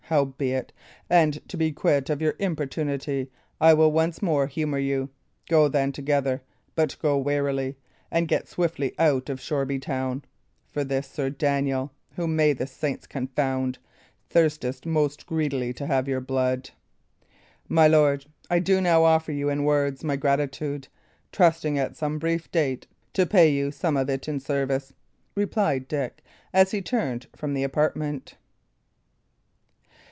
Howbeit, and to be quit of your importunity, I will once more humour you. Go, then, together; but go warily, and get swiftly out of Shoreby town. For this Sir Daniel (whom may the saints confound!) thirsteth most greedily to have your blood." "My lord, I do now offer you in words my gratitude, trusting at some brief date to pay you some of it in service," replied Dick, as he turned from the apartment.